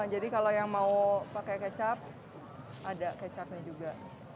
jadi kalau yang mau pakai kecap ada kecapnya juga